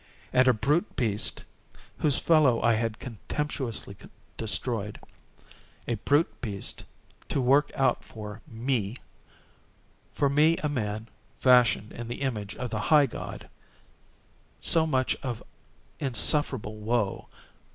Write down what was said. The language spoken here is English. And _a brute beast _—whose fellow I had contemptuously destroyed—a brute beast to work out for me—for me a man, fashioned in the image of the High God—so much of insufferable woe!